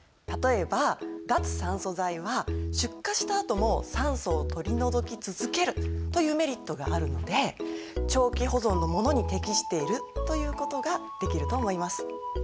例えば脱酸素剤は出荷したあとも酸素を取り除き続けるというメリットがあるので長期保存のものに適していると言うことができると思います。